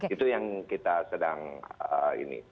itu yang kita sedang ini